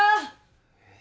えっ？